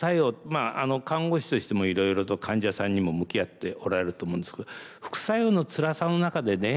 まあ看護師としてもいろいろと患者さんにも向き合っておられると思うんですけど副作用のつらさの中でね